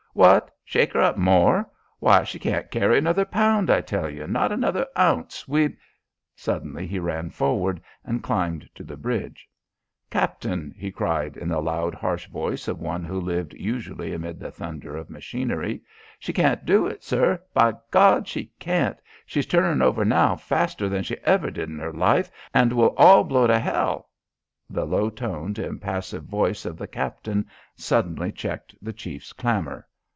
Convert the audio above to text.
"What? shake 'er up more? Why she can't carry another pound, I tell you! Not another ounce! We " Suddenly he ran forward and climbed to the bridge. "Captain," he cried in the loud harsh voice of one who lived usually amid the thunder of machinery, "she can't do it, sir! Be Gawd, she can't! She's turning over now faster than she ever did in her life and we'll all blow to hell " The low toned, impassive voice of the captain suddenly checked the chief's clamour.